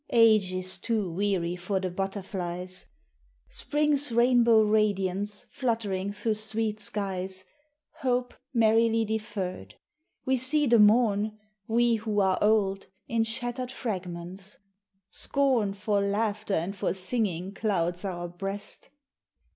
Age is too weary for the butterflies Spring's rainbow radiance fluttering through sweet skies, Hope merrily deferred. We see the morn, We who are old, in shattered fragments. Scorn For laughter and for singing clouds our breast.